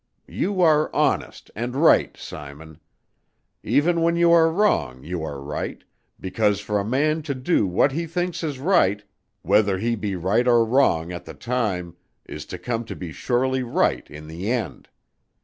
You are honest and right, Simon. Even when you are wrong you are right, because for a man to do what he thinks is right, whether he be right or wrong, at the time, is to come to be surely right in the end.